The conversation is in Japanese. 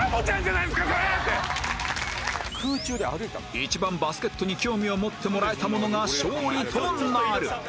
一番バスケットに興味を持ってもらえた者が勝利となる！